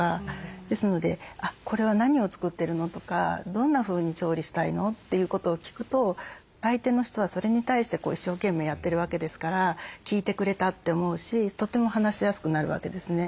ですので「これは何を作ってるの？」とか「どんなふうに調理したいの？」ということを聞くと相手の人はそれに対して一生懸命やってるわけですから聞いてくれたって思うしとても話しやすくなるわけですね。